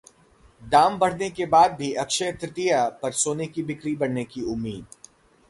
दाम बढ़ने के बाद भी अक्षय तृतीया पर सोने की ब्रिकी बढ़ने की उम्मीद